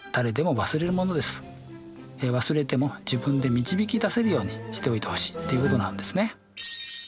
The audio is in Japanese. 忘れても自分で導き出せるようにしておいてほしいということなんですね。